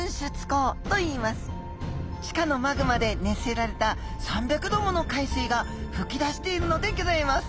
地下のマグマで熱せられた３００度もの海水が噴き出しているのでぎょざいます。